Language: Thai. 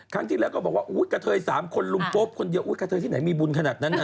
ครั้งที่แล้วก็บอกว่ากระเทย๓คนลุงโป๊ปคนเดียวอุ๊ยกะเทยที่ไหนมีบุญขนาดนั้นนะ